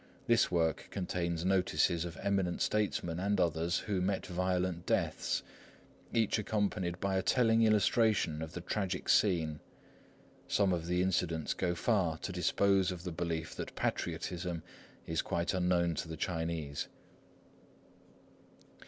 This work contains notices of eminent statesmen and others, who met violent deaths, each accompanied by a telling illustration of the tragic scene. Some of the incidents go far to dispose of the belief that patriotism is quite unknown to the Chinese.